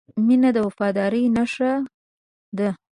• مینه د وفادارۍ نښه ده.